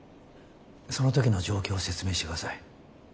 その時の状況を説明してください。